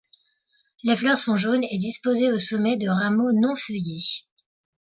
Les fleurs sont jaunes et disposées au sommet de rameaux non feuillés.